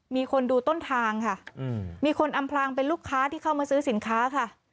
มีคนดูต้นทางค่ะมีคนอำพลางเป็นลูกค้าที่เข้ามาซื้อสินค้าค่ะ